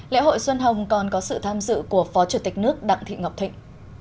lễ hội xuân hồng còn có sự tham dự của phó chủ tịch nước đặng thị ngọc thịnh